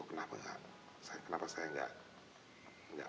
kenapa gak kenapa saya gak ambil dengan